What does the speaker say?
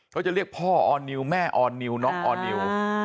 เขาจะเรียกพ่อออร์นิวแม่ออร์นิวน้องออร์นิว